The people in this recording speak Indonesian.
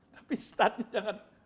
tapi startnya jangan